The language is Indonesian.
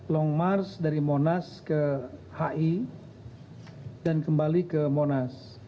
long march dari monas ke hi dan kembali ke monas